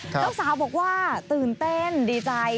เจ้าสาวบอกว่าตื่นเต้นดีใจ